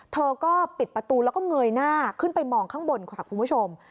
เธอก็ปิดประตูแล้วก็เงยหน้าขึ้นไปมองข้างบนค่ะคุณผู้ชม